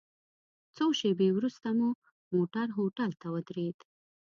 څو شېبې وروسته مو موټر هوټل ته ودرید.